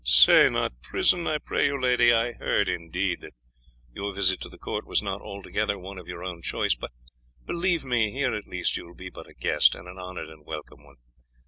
"Say not prison, I pray you, lady. I heard, indeed, that your visit to the court was not altogether one of your own choice; but, believe me, here at least you will be but a guest, and an honoured and welcome one.